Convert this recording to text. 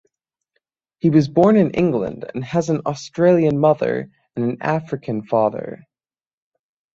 He was born in England and has an Australian mother and an African father.